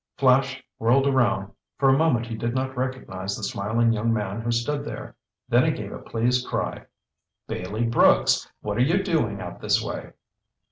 Flash whirled around. For a moment he did not recognize the smiling young man who stood there. Then he gave a pleased cry: "Bailey Brooks! What are you doing out this way?"